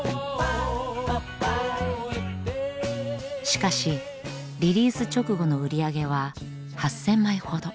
しかしリリース直後の売り上げは８，０００枚ほど。